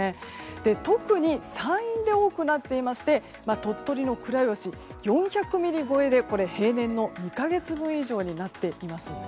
特に山陰で多くなっていまして鳥取の倉吉、４００ミリ超えで平年の２か月分以上になっています。